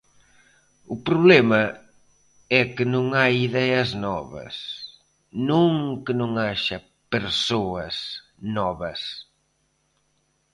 O problema é se non hai ideas novas, non que non haxa persoas novas.